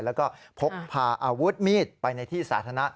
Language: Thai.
แล้วก็พกพาอาวุธมีดไปในที่สาธารณะ